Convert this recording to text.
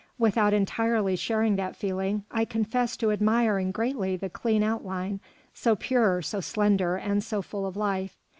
Without entirely sharing that feeling, I confess to admiring greatly the clean outline, so pure, so slender, and so full of life.